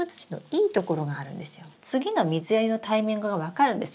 次の水やりのタイミングが分かるんですよ。